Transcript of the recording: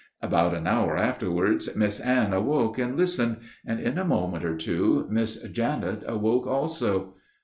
About an hour afterwards Miss Anne awoke and listened, and in a moment or two Miss Janet awoke also.